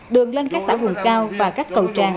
đường lên các xã hùng cao và các cầu tràng